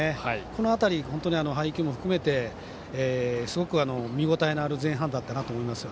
この辺り、本当に配球も含めてすごく見応えのある前半だったなと思います。